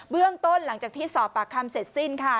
เรื่องต้นหลังจากที่สอบปากคำเสร็จสิ้นค่ะ